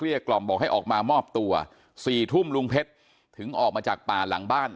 กล่อมบอกให้ออกมามอบตัว๔ทุ่มลุงเพชรถึงออกมาจากป่าหลังบ้าน